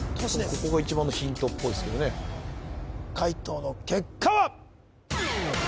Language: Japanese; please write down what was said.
ここが一番のヒントっぽいっすけどね解答の結果は？